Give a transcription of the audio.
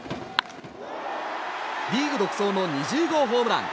リーグ独走の２０号ホームラン。